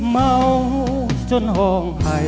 เมาจนห่องไห่